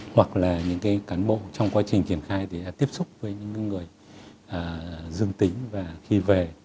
hoặc là những cán bộ trong quá trình triển khai thì đã tiếp xúc với những người dương tính và khi về